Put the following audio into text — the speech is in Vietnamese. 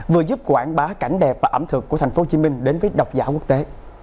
vừa giúp quảng bá cảnh đẹp và ẩm thực của thành phố hồ chí minh đến với độc giả quốc tế